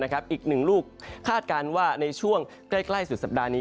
อีกหนึ่งลูกคาดการณ์ว่าในช่วงใกล้สุดสัปดาห์นี้